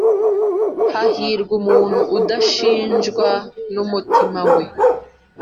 Hahirwa umuntu udashinjwa n’umutima we,